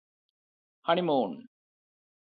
honeymoon